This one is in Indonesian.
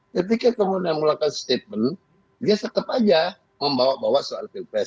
ketika kamu sudah melakukan statement dia tetap saja membawa bawa soal pilpres